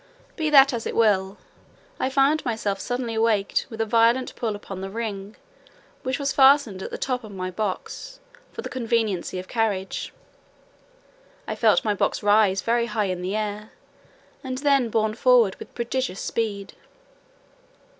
Be that as it will, I found myself suddenly awaked with a violent pull upon the ring, which was fastened at the top of my box for the conveniency of carriage. I felt my box raised very high in the air, and then borne forward with prodigious speed.